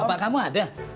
bapak kamu ada